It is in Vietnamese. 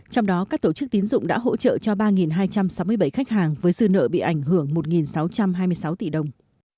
trong đó các tổ chức tín dụng đã hỗ trợ cho ba hai trăm sáu mươi bảy khách hàng với dư nợ bị ảnh hưởng một sáu trăm hai mươi sáu tỷ đồng